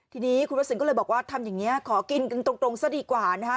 ทีนี้คุณทักษิณก็เลยบอกว่าทำอย่างนี้ขอกินกันตรงซะดีกว่านะคะ